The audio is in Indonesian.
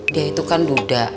dia itu kan duda